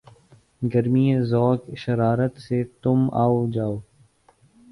گرمیِ ذوقِ شرارت سے تُم آؤ جاؤ